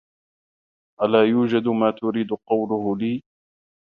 ألا يوجد ما تريد قوله لي؟